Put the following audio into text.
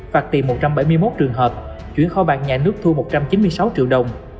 phạt tiền một trăm bảy mươi một trường hợp chuyển kho bạc nhà nước thu một trăm chín mươi sáu triệu đồng